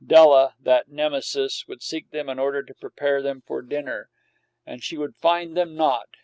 Della, that Nemesis,[43 1] would seek them in order to prepare them for dinner, and she would find them not.